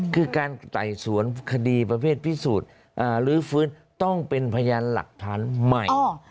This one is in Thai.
คือการไต่สวนคดีประเภทพิสูจน์ลื้อฟื้นต้องเป็นพยานหลักฐานใหม่